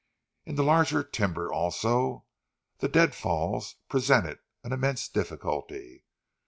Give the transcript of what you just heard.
In the larger timber also, the deadfalls presented an immense difficulty.